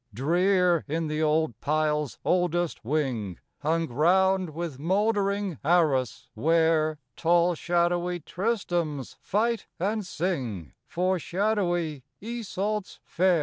Drear in the old pile's oldest wing, Hung round with mouldering arras, where Tall, shadowy Tristrams fight and sing For shadowy Isolts fair.